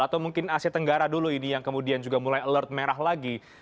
atau mungkin asia tenggara dulu ini yang kemudian juga mulai alert merah lagi